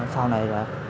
sau này là